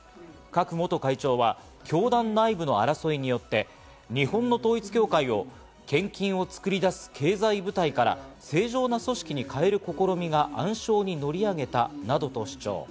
クァク元会長は教団内部の争いによって日本の統一教会を、献金を作り出す経済部隊から正常な組織に変える試みが暗礁に乗り上げたなどと主張。